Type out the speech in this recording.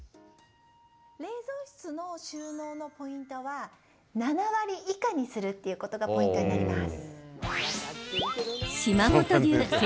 冷蔵室の収納のポイントは７割以下にするっていうことがポイントになります。